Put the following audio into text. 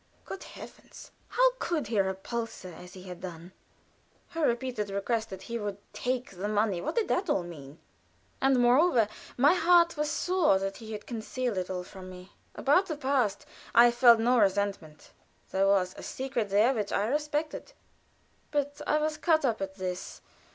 Good heavens! How could he repulse her as he had done? Her repeated request that he would take that money what did it all mean? And, moreover, my heart was sore that he had concealed it all from me. About the past I felt no resentment; there was a secret there which I respected; but I was cut up at this.